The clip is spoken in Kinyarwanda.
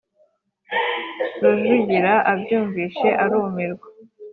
rujugira abyumvise arumirwa.